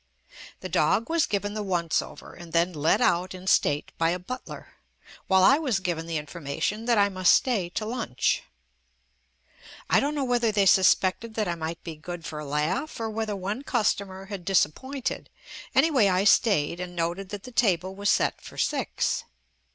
The dog was given the once over, and then led out in state by a butler, while I was JUST ME given the information that I must stay to lunch. I don't know whether they suspected that I might be good for a laugh or whether one cus tomer had disappointed, anyway I stayed and noted that the table was set for six.